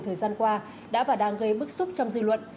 thời gian qua đã và đang gây bức xúc trong dư luận